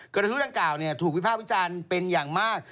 กระทู้ดังกล่าวถูกวิภาควิจารณ์เป็นอย่างมาก